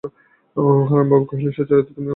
হারানবাবু কহিলেন, সুচরিতা, তুমি আমার প্রতি অন্যায় করছ।